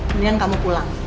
mendingan kamu pulang